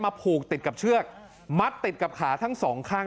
ผูกติดกับเชือกมัดติดกับขาทั้งสองข้าง